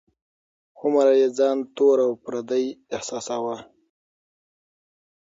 هومره یې ځان تور او پردی احساساوه.